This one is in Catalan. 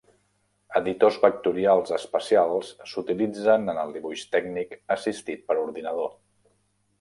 Editors vectorials especials s'utilitzen en el dibuix tècnic assistit per ordinador.